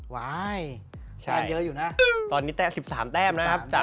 ว้ายยยยเยอะอยู่นะ